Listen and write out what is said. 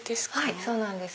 はいそうなんです。